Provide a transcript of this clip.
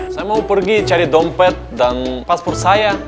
saya mau pergi cari dompet dan paspor saya